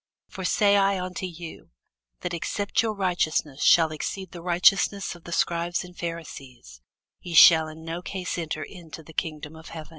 For I say unto you, That except your righteousness shall exceed the righteousness of the scribes and Pharisees, ye shall in no case enter into the kingdom of heaven.